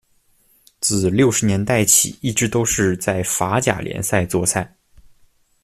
自六十年代起一直都是在法甲联赛作赛。